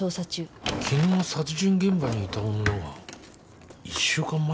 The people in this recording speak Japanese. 昨日殺人現場にいた女が１週間前にも。